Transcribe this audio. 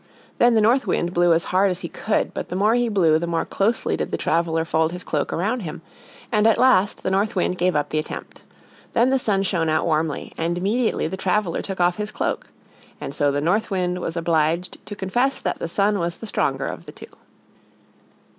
Then the North Wind blew as hard as he could, but the more he blew the more closely did the traveler fold his cloak around him; and at last the North Wind gave up the attempt. Then the Sun shined out warmly, and immediately the traveler took off his cloak. And so the North Wind was obliged to confess that the Sun was the stronger of the two.